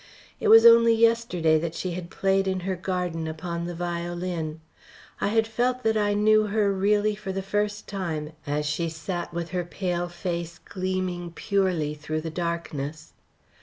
It was only yesterday that she had played in her garden upon the violin. I had felt that I knew her really for the first time as she sat with her pale face gleaming purely through the darkness.